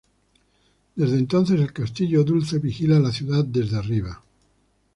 Desde entonces el castillo dulce vigila la ciudad desde arriba.